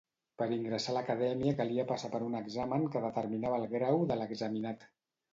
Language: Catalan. Per ingressar a l'acadèmia calia passar per un examen que determinava el grau de l'examinat.